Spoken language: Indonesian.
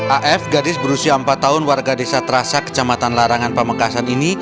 af gadis berusia empat tahun warga desa terasa kecamatan larangan pamekasan ini